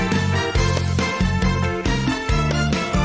สวัสดีค่ะ